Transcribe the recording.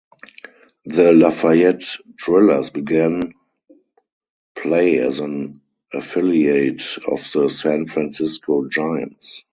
The Lafayette Drillers began play as an affiliate of the San Francisco Giants.